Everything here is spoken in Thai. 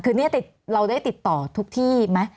คือเนี่ยเราได้ติดต่อทุกที่ไหม